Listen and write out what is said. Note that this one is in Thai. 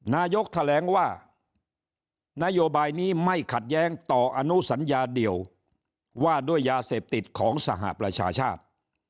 นายกแถลงว่านโยบายนี้ไม่ขัดแย้งต่ออนุสัญญาเดียวว่าด้วยยาเสพติดของสหประชาชาติ